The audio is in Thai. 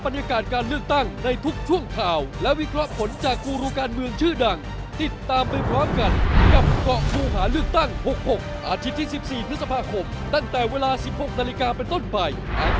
โปรดติดตามตอนต่อไป